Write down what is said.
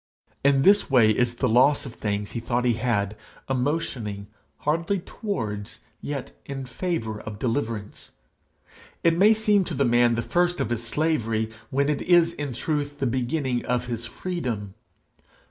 In this way is the loss of the things he thought he had, a motioning, hardly towards, yet in favour of deliverance. It may seem to the man the first of his slavery when it is in truth the beginning of his freedom.